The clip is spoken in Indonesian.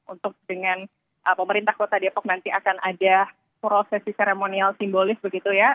untuk dengan pemerintah kota depok nanti akan ada prosesi seremonial simbolis begitu ya